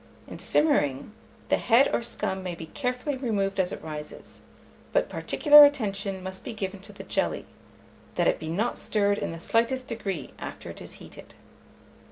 In simmering, the head or scum may be carefully removed as it rises; but particular attention must be given to the jelly, that it be not stirred in the slightest degree after it is heated.